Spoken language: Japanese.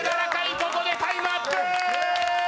ここでタイムアップ！